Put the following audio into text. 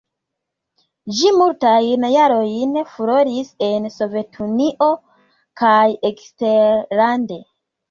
Ĝi multajn jarojn furoris en Sovetunio kaj eksterlande.